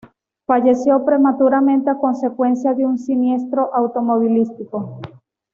Falleció prematuramente a consecuencia de un siniestro automovilístico.